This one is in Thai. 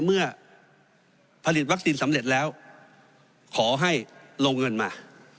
เมื่อผลิตวัคซีนสำเร็จแล้วขอให้ลงเงินมา